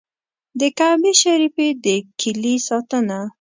د کعبې شریفې د کیلي ساتنه.